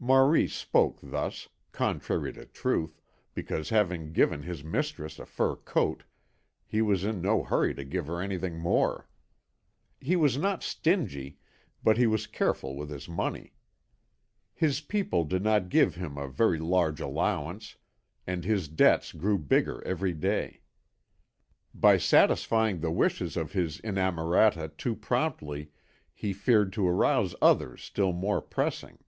Maurice spoke thus, contrary to truth, because having given his mistress a fur coat, he was in no hurry to give her anything more. He was not stingy, but he was careful with his money. His people did not give him a very large allowance, and his debts grew bigger every day. By satisfying the wishes of his inamorata too promptly he feared to arouse others still more pressing.